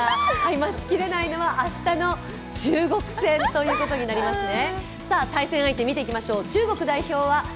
待ちきれないのは明日の中国戦ということになりますね。